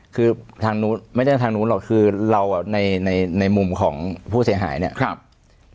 คือไม่ใช่ทางนู้นหรอกคือเราในมุมของผู้เสียหายเนี่ย